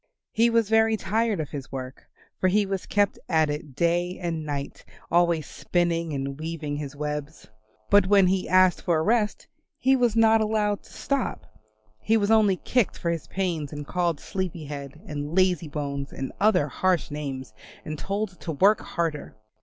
He was very tired of his work for he was kept at it day and night always spinning and weaving his webs. But when he asked for a rest he was not allowed to stop; he was only kicked for his pains and called Sleepy Head, and Lazy bones and other harsh names, and told to work harder.